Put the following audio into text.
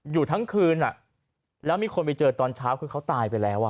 อยู่ทั้งคืนแล้วมีคนไปเจอตอนเช้าคือเขาตายไปแล้ว